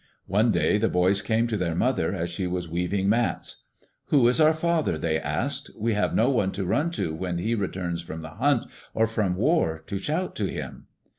One day the boys came to their mother, as she was weaving mats. "Who is. our father?" they asked. "We have no one to run to when he returns from the hunt, or from war, to shout to him."